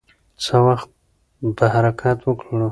څه وخت به حرکت وکړو؟